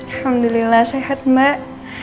alhamdulillah sehat mbak